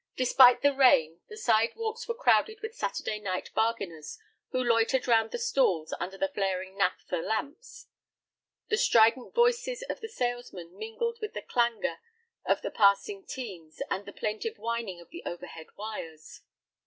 Despite the rain, the sidewalks were crowded with Saturday night bargainers who loitered round the stalls under the flaring naphtha lamps. The strident voices of the salesmen mingled with the clangor of the passing teams and the plaintive whining of the overhead wires.